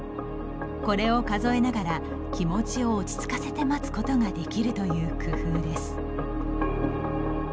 これを数えながら気持ちを落ち着かせて待つことができるという工夫です。